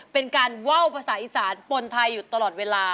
เป็นการว่าวภาษาอีสานปนไทยอยู่ตลอดเวลา